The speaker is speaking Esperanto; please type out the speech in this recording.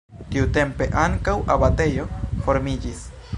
Tiutempe ankaŭ abatejo formiĝis.